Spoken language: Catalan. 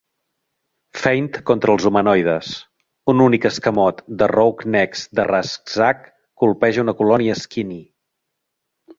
Feint contra els humanoides: un únic escamot de Roughnecks de Rasczak colpeja una colònia Skinny.